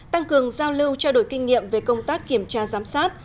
tăng cường giao lưu trao đổi kinh nghiệm về công tác kiểm tra giám sát